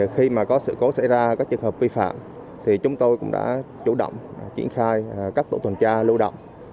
khi mà có sự cố xảy ra các trường hợp vi phạm thì chúng tôi cũng đã chủ động triển khai các tổ tuần tra lưu động